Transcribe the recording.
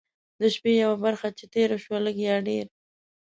د شپې یوه برخه چې تېره شوه لږ یا ډېر.